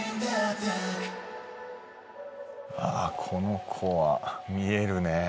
この子は見えるね。